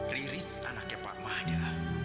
riris anaknya pak mades